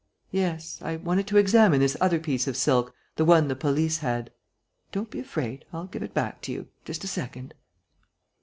Yes, I wanted to examine this other piece of silk, the one the police had.... Don't be afraid: I'll give it back to you.... Just a second...."